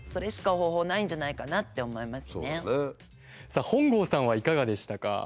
さあ本郷さんはいかがでしたか？